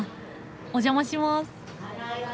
お邪魔します。